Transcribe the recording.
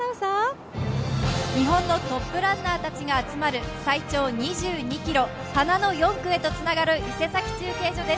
日本のトップランナーたちが集まる最長２２ｋｍ、花の４区へとつながる伊勢崎中継所です。